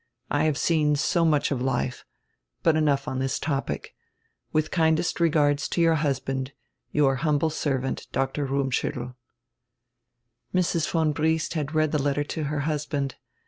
I have seen so much of life — But enough on this topic. With kindest regards to your husband, your humble servant, Dr. Rummschuttel." Mrs. von Briest had read die letter to her husband.